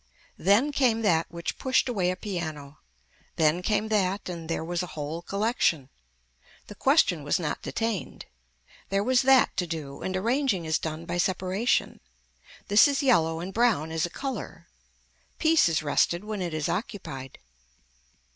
Then came that which pushed away a piano, then came that and there was a whole collection. The question was not detained. There was that to do and arranging is done by separation. This is yellow and brown is a color. Peace is rested when it is occupied.